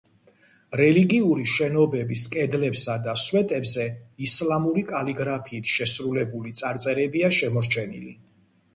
რელიგიური შენობების კედლებსა და სვეტებზე ისლამური კალიგრაფიით შესრულებული წარწერებია შემორჩენილი.